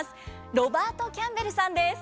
ロバート・キャンベルさんです。